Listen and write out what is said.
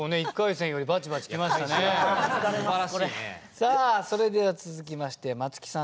さあそれでは続きましてまつきさん